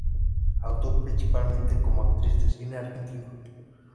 Actuó principalmente como actriz de cine argentino.